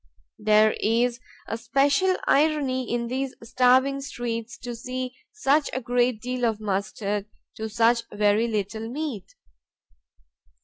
There is a special irony in these starving streets to see such a great deal of mustard to such very little meat.